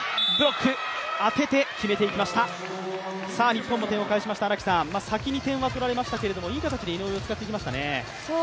日本も点を返しました、先に点を取られましたけどいい形で井上を使ってきましたね